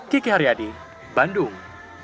kiki haryadi bandung